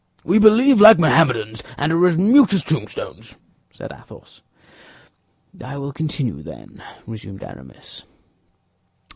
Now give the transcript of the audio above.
"We believe like Mohammedans, and are as mute as tombstones," said Athos. "I will continue, then," resumed Aramis.